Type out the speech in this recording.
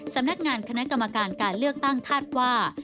สำนักงานคณะกรรมการการเลือกตั้งคาดว่า